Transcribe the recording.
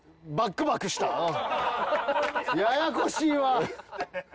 ややこしいわ！